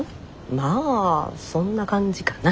まあそんな感じかな。